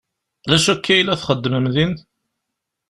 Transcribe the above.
D acu akka i la txeddmem din?